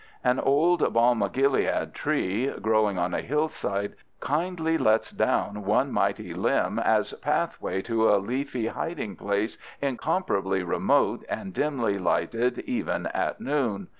An old balm o' Gilead tree, growing on a hillside, kindly lets down one mighty limb as pathway to a leafy hiding place incomparably remote and dimly lighted even at noon.